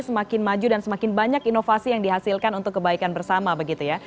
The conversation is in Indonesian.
semakin maju dan semakin banyak inovasi yang dihasilkan untuk kebaikan bersama begitu ya